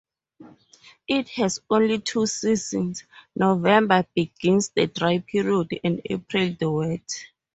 It has only two seasons; November begins the dry period, and April the wet.